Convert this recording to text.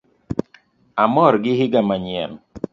Amor gi iga manyien